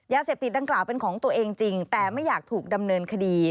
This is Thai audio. ยาเสพติดดังกล่าวเป็นของตัวเองจริงแต่ไม่อยากถูกดำเนินคดี